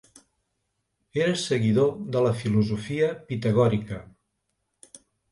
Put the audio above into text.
Era seguidor de la filosofia pitagòrica.